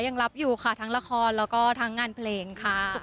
ยังรับอยู่ค่ะทั้งละครแล้วก็ทั้งงานเพลงค่ะ